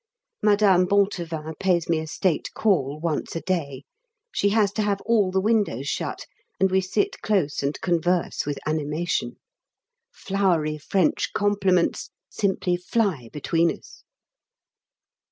Madame Bontevin pays me a state call once a day; she has to have all the windows shut, and we sit close and converse with animation. Flowery French compliments simply fly between us.